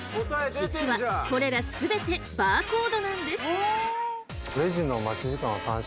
実はこれら全てバーコードなんです。